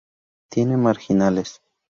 Tiene marginales.